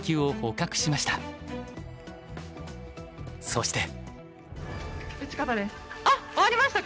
そして。